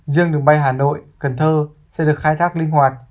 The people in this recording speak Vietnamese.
riêng đường bay hà nội cần thơ sẽ được khai thác linh hoạt